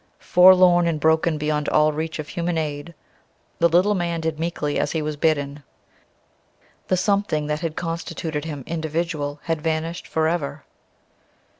Forlorn and broken beyond all reach of human aid, the little man did meekly as he was bidden. The "something" that had constituted him "individual" had vanished for ever.